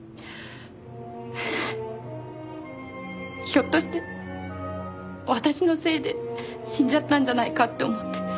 ひょっとして私のせいで死んじゃったんじゃないかって思って。